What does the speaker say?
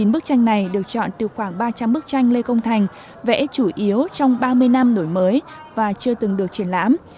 ba mươi chín bức tranh này được chọn từ khoảng ba trăm linh bức tranh lê công thành vẽ chủ yếu trong ba mươi năm nổi mới và chưa từng được chuyển lãm